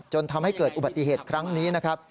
จนทำให้เกิดอุบัติเหตุครั้งนี้นะครับ